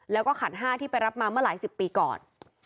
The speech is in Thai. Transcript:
แล้วก็ขัน๕ที่ไปรับมาเมื่อหลายสิบปีก่อน